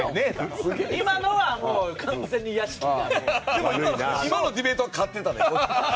でも今のディベートは勝ってたで。